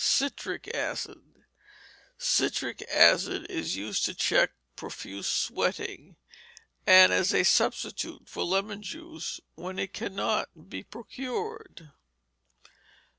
Citric Acid Citric Acid is used to check profuse sweating, and as a substitute for lemon juice when it cannot be procured.